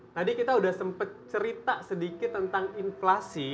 tadi kita sudah sempat cerita sedikit tentang inflasi